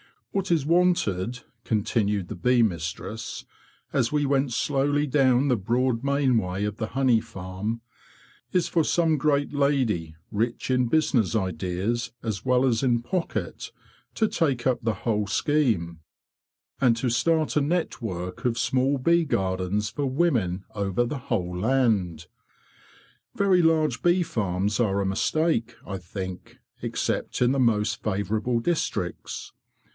'*What is wanted,' continued the bee mistress, as we went slowly down the broad main way of the honey farm, ''is for some great lady, rich in busi 42 THE BEE MASTER OF WARRILOW ness ideas as well as in pocket, to take up the whole scheme, and to start a network of small bee gardens for women over the whole land. Very large bee farms are a mistake, I think, except in the most favourable districts.